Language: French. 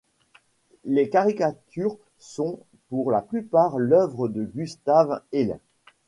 Les caricatures sont pour la plupart l'œuvre de Gustav Heil.